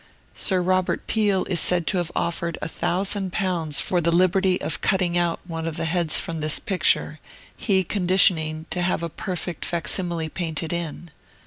Sir Robert Peel is said to have offered a thousand pounds for the liberty of cutting out one of the heads from this picture, he conditioning to have a perfect facsimile painted in.